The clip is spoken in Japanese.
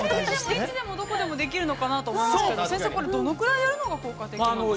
◆いつでもどこでもできるのかなと思いますけど、先生これ、どのぐらいやるのが効果的なんですか。